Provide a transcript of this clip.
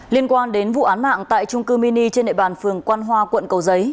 liên quan đến vụ án mạng tại trung cư mini trên nệp bàn phường quang hoa quận cầu giấy